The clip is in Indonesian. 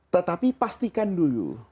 tetapi pastikan dulu